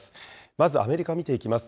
まずアメリカ見ていきます。